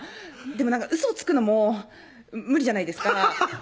でもなんかウソつくのも無理じゃないですか